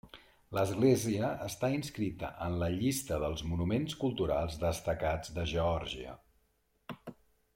L'església està inscrita en la llista dels Monuments Culturals destacats de Geòrgia.